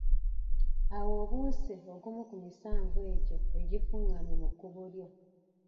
Awo obuuse ogumu ku misanvu egyo egifungamye mu kkubo lyo.